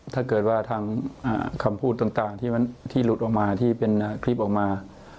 ถ้าเกิดว่าทางคำพูดต่างที่หลุดออกมาที่เป็นคลิปออกมา